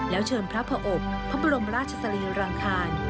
แล้วเชิญพระอบพระบรมราชสรีรังคาร